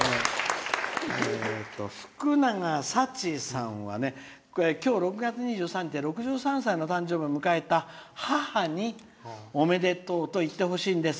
ふくながさちさんは今日６月２３日で６３歳の誕生日を迎えた母におめでとうと言ってほしいんです。